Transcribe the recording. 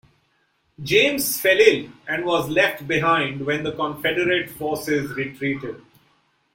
James fell ill and was left behind when the Confederate forces retreated.